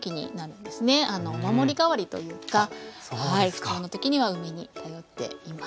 不調の時には梅に頼っています。